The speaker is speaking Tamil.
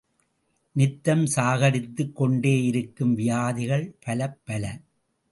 நித்தம் சாகடித்துக் கொண்டேயிருக்கும் வியாதிகள் பலப்பல!